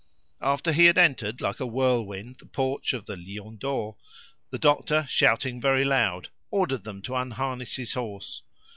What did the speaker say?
After he had entered like a whirlwind the porch of the "Lion d'Or," the doctor, shouting very loud, ordered them to unharness his horse.